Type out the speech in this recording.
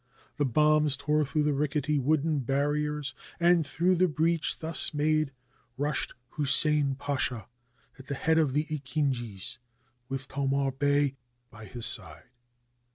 The bombs tore through the rickety wooden barriers, and through the breach thus made rushed Hussein Pasha at the head of the akinjis, with Thomar Bey by his side.